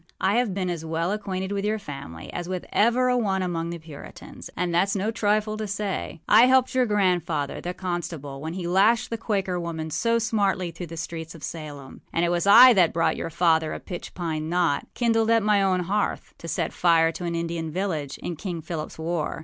I have been as well acquainted with your family as with ever a one among the Puritans; and thatâs no trifle to say. I helped your grandfather, the constable, when he lashed the Quaker woman so smartly through the streets of Salem; and it was I that brought your father a pitch pine knot, kindled at my own hearth, to set fire to an Indian village, in King Philipâs war.